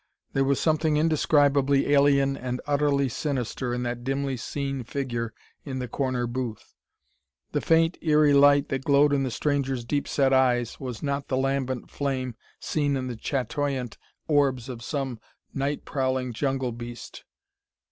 There was something indescribably alien and utterly sinister in that dimly seen figure in the corner booth. The faint eery light that glowed in the stranger's deep set eyes was not the lambent flame seen in the chatoyant orbs of some night prowling jungle beast.